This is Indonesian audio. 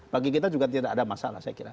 bagi kita juga tidak ada masalah saya kira